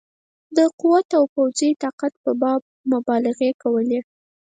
د قوت او پوځي طاقت په باب مبالغې کولې.